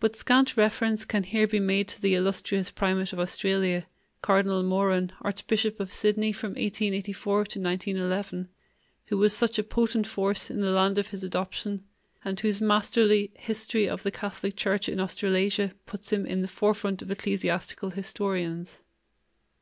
But scant reference can here be made to the illustrious primate of Australia, Cardinal Moran, archbishop of Sydney from 1884 to 1911, who was such a potent force in the land of his adoption, and whose masterly History of the Catholic Church in Australasia puts him in the forefront of ecclesiastical historians.